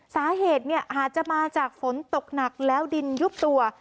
สาเหตุอาจจะมาจากฝนตกหนักแล้วดินยุบตัว